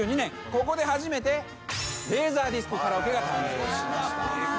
ここで初めてレーザーディスクカラオケが誕生しました。